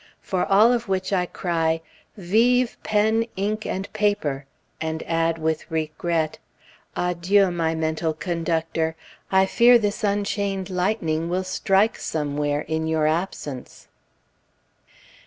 For all of which I cry, "Vivent pen, ink, and paper!" and add with regret, "Adieu, my mental Conductor. I fear this unchained lightning will strike somewhere, in your absence!"